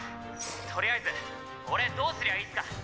とりあえず俺どうすりゃいいスか？」